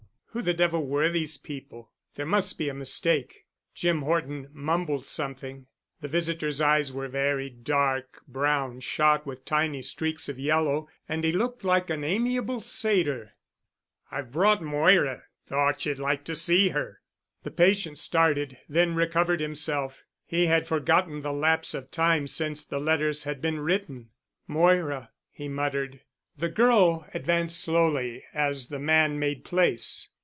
Who the devil were these people? There must be a mistake. Jim Horton mumbled something. The visitor's eyes were very dark brown shot with tiny streaks of yellow and he looked like an amiable satyr. "I've brought Moira—thought ye'd like to see her." The patient started—then recovered himself. He had forgotten the lapse of time since the letters had been written. "Moira," he muttered. The girl advanced slowly as the man made place.